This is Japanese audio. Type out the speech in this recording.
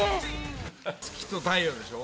月と太陽でしょ？